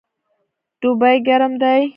دوبی ګرم دی